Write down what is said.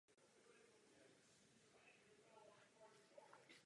Detekci lodi ztěžuje použití pasivních i aktivních prvků technologie stealth.